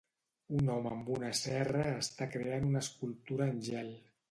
Un home amb una serra està creant una escultura en gel.